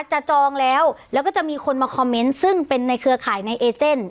จองแล้วแล้วก็จะมีคนมาคอมเมนต์ซึ่งเป็นในเครือข่ายในเอเจน